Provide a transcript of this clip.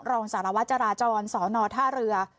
รองสารวัตรจราจรสอนอท่าเรือ